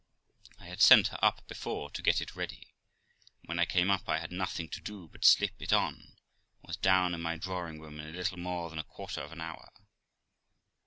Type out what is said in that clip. I had sent her up before to get it ready, and when I came up I had nothing to do but slip it on, and was down in my drawing room in a little more than a quarter of an hour.